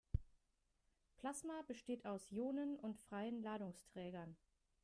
Plasma besteht aus Ionen und freien Ladungsträgern.